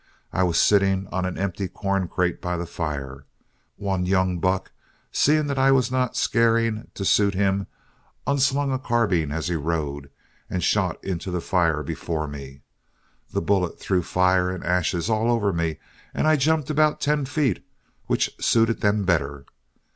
I was sitting on an empty corn crate by the fire. One young buck, seeing that I was not scaring to suit him, unslung a carbine as he rode, and shot into the fire before me. The bullet threw fire and ashes all over me, and I jumped about ten feet, which suited them better.